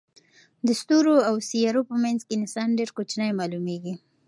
د ستورو او سیارو په منځ کې انسان ډېر کوچنی معلومېږي.